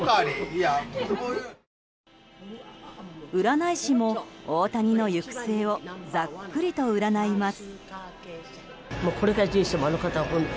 占い師も、大谷の行く末をざっくりと占います。